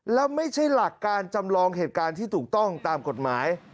แล้วไม่ใช่หลักการจำลองเหตุการณ์ที่ถูกต้องตามกฎหมาย